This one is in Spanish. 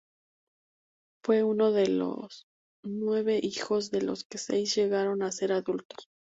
Fue uno de nueve hijos, de los que seis llegaron a ser adultos.